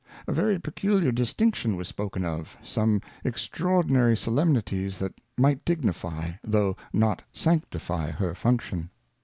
A very peculiar Distinction was spoken of, some extraordinary Solemnities that might dignify, though not sanctify her Function.